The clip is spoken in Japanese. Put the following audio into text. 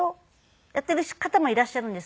やっている方もいらっしゃるんですけど。